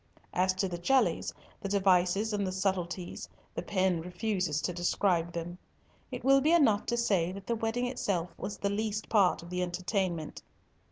As to the jellies, the devices and the subtilties, the pen refuses to describe them! It will be enough to say that the wedding itself was the least part of the entertainment.